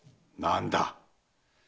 何だ？